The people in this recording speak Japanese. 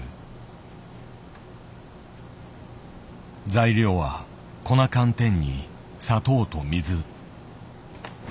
材料は粉寒天に砂糖と水。